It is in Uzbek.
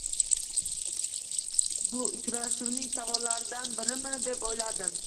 Bu uchrashuvning savollaridan birimi, deb oʻyladim.